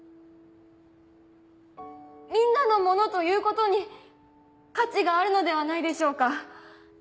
「みんなのもの」ということに価値があるのではないでしょうか。